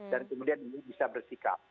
kemudian ini bisa bersikap